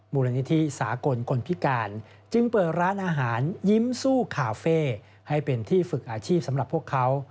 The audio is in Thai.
มูลนิธิสากลคนพิการจึงเปิดร้านอาหารยิ้มสู้คาเฟ่ให้เป็นที่ฝึกอาชีพสำหรับพวกเขา